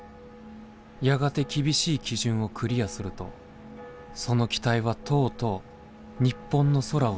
やがて厳しい基準をクリアするとその機体はとうとう日本の空を飛び始めたのだ。